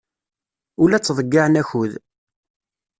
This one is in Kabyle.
Ur la ttḍeyyiɛen akud.